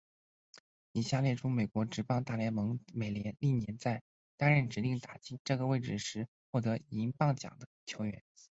以下列出美国职棒大联盟美联历年在担任指定打击这个位置时获得银棒奖的球员。